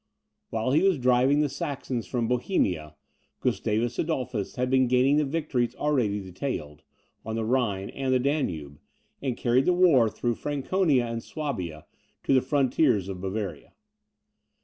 While he was driving the Saxons from Bohemia, Gustavus Adolphus had been gaining the victories, already detailed, on the Rhine and the Danube, and carried the war through Franconia and Swabia, to the frontiers of Bavaria.